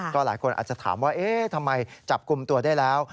ก็หลายคนอาจจะถามว่าเอ๊ะทำไมจับกลุ่มตัวได้แล้ว